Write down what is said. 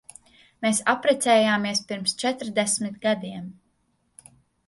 Mēs apprecējāmies pirms četrdesmit gadiem.